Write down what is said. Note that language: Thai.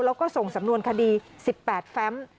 แล้วก็ส่งสำนวนคดี๑๘แฟม